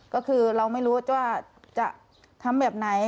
ก็คือเราไม่รู้ว่าจะทำแบบไหน